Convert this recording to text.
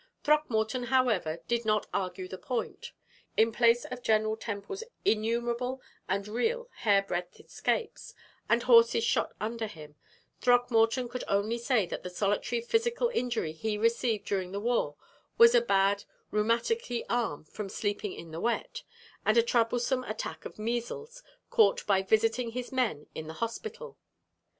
Throckmorton, however, did not argue the point. In place of General Temple's innumerable and real hair breadth escapes, and horses shot under him, Throckmorton could only say that the solitary physical injury he received during the war was a bad rheumaticky arm from sleeping in the wet, and a troublesome attack of measles caught by visiting his men in the hospital.